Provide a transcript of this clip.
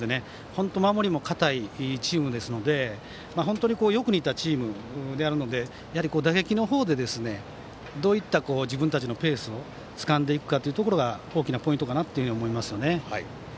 本当に守りも堅いチームでよく似たチームなのでやはり打撃の方でどういった、自分たちのペースをつかんでいくかというところが大きなポイントかなと思いますね。